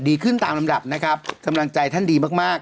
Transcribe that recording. ดีขึ้นตามลำดับนะครับกำลังใจท่านดีมากมาก